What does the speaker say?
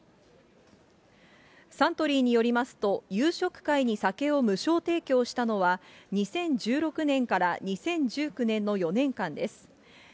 サントリーによりますと、夕食会に酒を無償提供したのは、２０１６年から２０１９年の４年間です。